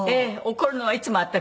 怒るのはいつも私。